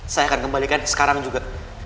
saya akan kembalikan sekarang juga